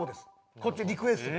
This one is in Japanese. こっちのリクエストで。